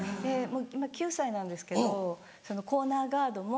今９歳なんですけどそのコーナーガードも。